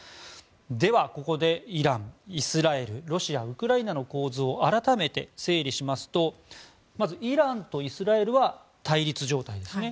では、ここでイラン、イスラエルロシア、ウクライナの構図を改めて整理しますとまず、イランとイスラエルは対立状態ですね。